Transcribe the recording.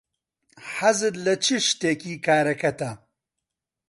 حەزت لە چ شتێکی کارەکەتە؟